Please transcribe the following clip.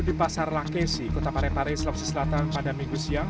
di pasar lakesi kota parepare sulawesi selatan pada minggu siang